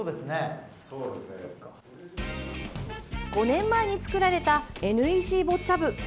５年前に作られたＮＥＣボッチャ部。